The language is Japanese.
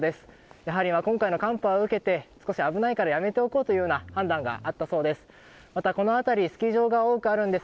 やはり今回の寒波を受けて危ないからやめておこうというような判断があったそうです。